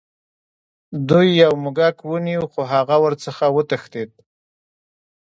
دوی یو موږک ونیو خو هغه ورڅخه وتښتید.